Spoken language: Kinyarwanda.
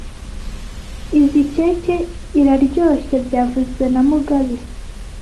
Izoi keke iraryoshye byavuzwe na mugabe